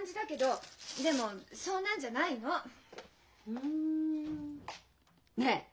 ふんねえ